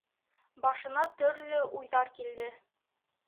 Башына төрлө уйҙар килде.